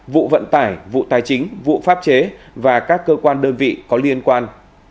vụ vận tải vụ tài chính vụ pháp chế và các cơ quan đơn vị có liên quan